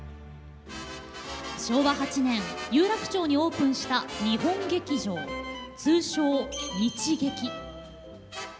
昭和８年、有楽町にオープンした日本劇場、通称・日劇。